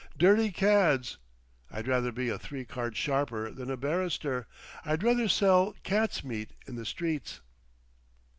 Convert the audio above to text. Dirty cads! I'd rather be a Three Card Sharper than a barrister; I'd rather sell cat's meat in the streets.